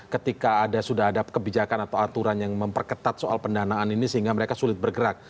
ketika sudah ada kebijakan atau aturan yang memperketat soal pendanaan ini sehingga mereka sulit bergerak